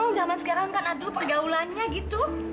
oh zaman sekarang kan aduh pergaulannya gitu